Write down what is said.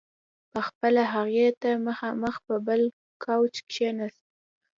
په خپله هغې ته مخامخ په بل کاوچ کې کښېناست.